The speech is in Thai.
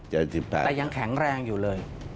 เจ็ดสิบแปดแต่ยังแข็งแรงอยู่เลย